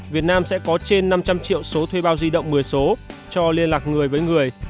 việt nam sẽ có trên năm trăm linh triệu số thuê bao di động một mươi số cho liên lạc người với người